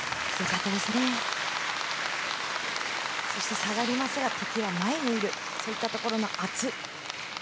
下がりますが、敵は前にいる、そういったところの圧。